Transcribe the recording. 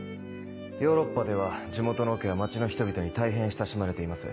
ヨーロッパでは地元のオケは街の人々に大変親しまれています。